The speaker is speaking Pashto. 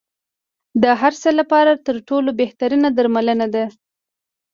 د هر څه لپاره تر ټولو بهتره درملنه ده.